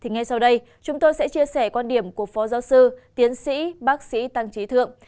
ngay sau đây chúng tôi sẽ chia sẻ quan điểm của phó giáo sư tiến sĩ bác sĩ tăng trí thượng